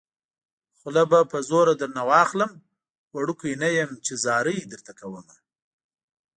خوله به په زوره درنه واخلم وړوکی نه يم چې ځاري درته کومه